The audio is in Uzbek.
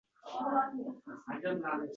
Ammo hali tayinli bir fikr shaklini ololmadi.